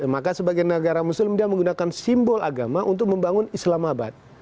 maka sebagai negara muslim dia menggunakan simbol agama untuk membangun islam abad